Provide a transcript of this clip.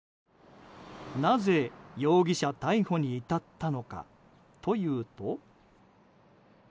なぜ容疑者逮捕に至ったのかというと。